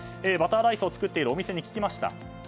バターライスを作っているお店に聞きました。